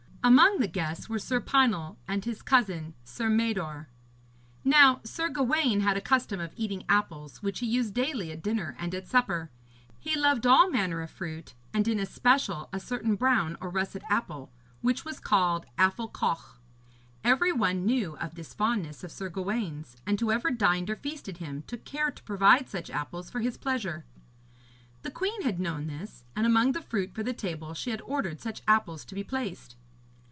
Among the guests were Sir Pinel and his cousin, Sir Mador. Now Sir Gawaine had a custom of eating apples which he used daily at dinner and at supper. He loved all manner of fruit, and in especial a certain brown or russet apple, which was called Afal Coch. Every one knew of this fondness of Sir Gawaine's, and whoever dined or feasted him took care to provide such apples for his pleasure. The queen had known this, and among the fruit for the table she had ordered such apples to be placed.